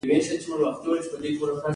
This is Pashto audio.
عامه د دولت له درې ګونو قواوو څخه عبارت ده.